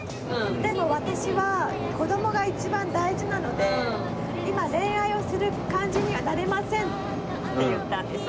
「でも私は子供が一番大事なので今恋愛をする感じにはなれません」って言ったんです。